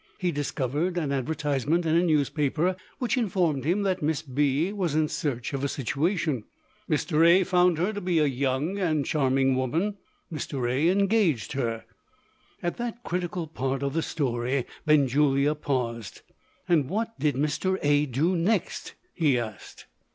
He discovered an advertisement in a newspaper, which informed him that Miss B. was in search of a situation. Mr. A. found her to be a young and charming woman. Mr. A. engaged her." At that critical part of the story, Benjulia paused. "And what did Mr. A. do next?" he asked.